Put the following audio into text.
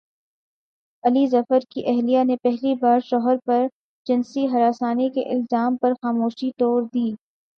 علی ظفر کی اہلیہ نے پہلی بار شوہر پرجنسی ہراسانی کے الزام پر خاموشی توڑ دی